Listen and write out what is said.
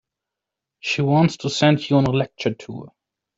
She wants to send you on a lecture tour.